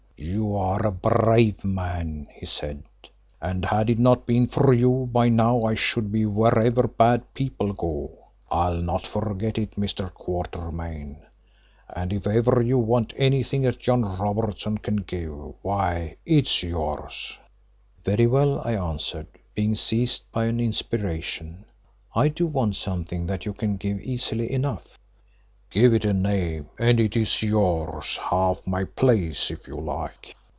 "You are a brave man," he said, "and had it not been for you by now I should be wherever bad people go. I'll not forget it, Mr. Quatermain, and if ever you want anything that John Robertson can give, why, it's yours." "Very well," I answered, being seized by an inspiration, "I do want something that you can give easily enough." "Give it a name and it's yours, half my place, if you like."